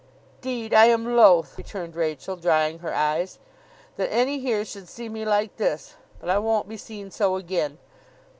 ''Deed, I am loath,' returned Rachael, drying her eyes, 'that any here should see me like this; but I won't be seen so again.